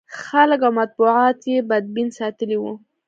خلک او مطبوعات یې بدبین ساتلي و.